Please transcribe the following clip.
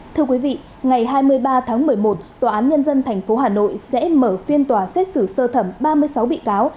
thưa quý vị ngày hai mươi ba tháng một mươi một tòa án nhân dân tp hà nội sẽ mở phiên tòa xét xử sơ thẩm ba mươi sáu bị cáo